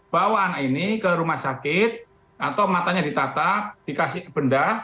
bawa anak ini ke rumah sakit atau matanya ditatap dikasih ke benda